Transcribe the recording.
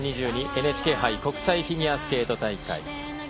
ＮＨＫ杯国際フィギュアスケート大会。